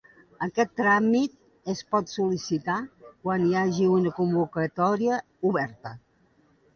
Aquest tràmit es pot sol·licitar quan hi hagi una convocatòria oberta.